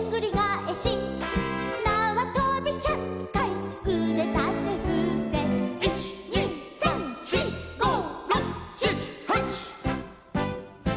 「なわとびひゃっかいうでたてふせ」「１２３４５６７８」